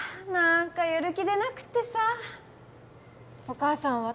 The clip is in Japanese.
何かやる気出なくってさお母さん